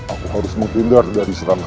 aku harus mempindah dari serangga